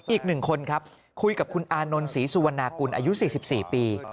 อีก๑คนครับคุยกับคุณอานนท์ศรีสุวรรณากุลอายุ๔๔ปี